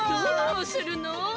どうするの？